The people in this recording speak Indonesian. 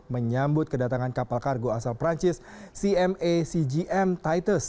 menyambut kedatangan kapal kargo asal perancis cma cgm tites